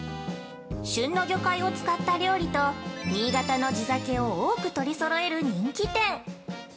旬の魚介を使った料理と新潟の地酒を多く取りそろえる人気店！